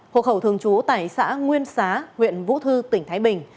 hộ khẩu thường trú tại xã nguyên xá huyện vũ thư tỉnh thái bình